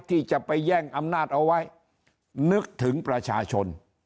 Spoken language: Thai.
ที่จะไปแย่งอำนาจเอาไว้นึกถึงประชาชน